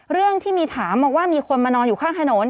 เรื่องที่มีถามบอกว่ามีคนมานอนอยู่ข้างถนน